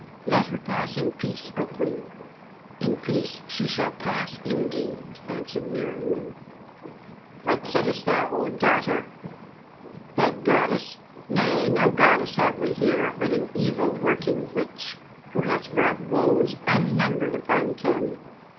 "Let her pass in peace, O Queen." "In peace she shall pass indeed," answered Meriamun. "What saidest thou, old dotard? That Goddess! Nay, no Goddess have we here, but an evil working witch, who hath brought woes unnumbered upon Khem.